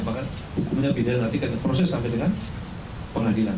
maka hukumnya pidana nanti akan proses sampai dengan pengadilan